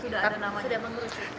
tapi sudah ada nama yang sudah menunjukkan